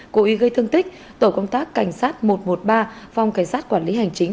cố ý gây thương tích tổ công tác cảnh sát một trăm một mươi ba phòng cảnh sát quản lý hành chính